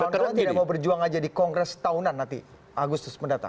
kau tidak mau berjuang aja di kongres tahunan nanti agusus mendatang